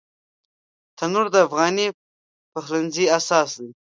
تنور د افغاني پخلنځي اساس دی